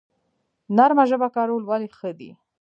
نرمه ژبه کارول ولې ښه دي؟